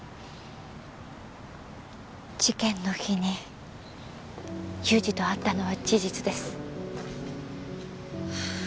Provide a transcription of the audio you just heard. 事件の日に雄二と会ったのは事実です。